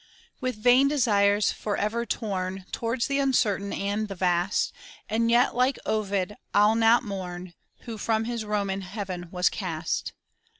With vain desires, for ever torn Towards the uncertain, and the vast, And yet, like Ovid I'll not mourn Who from his Roman Heaven was cast.